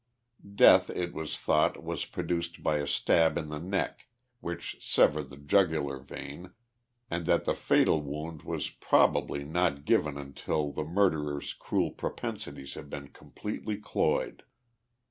Death, it was thought, was produced by a stab in the neck, which severed the jugular vein, and that the fatal wound was, probably, not given until the murderer's cruel propensities had been complete^ cloyed.